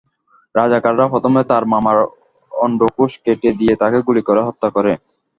রাজাকাররা প্রথমে তাঁর মামার অণ্ডকোষ কেটে দিয়ে তাঁকে গুলি করে হত্যা করে।